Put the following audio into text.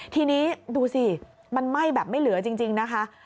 ทีนี้ดูสิมันไหม้แบบไม่เหลือจริงนะคะ